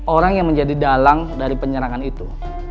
orang yang menjadi dalang dari penyerangan itu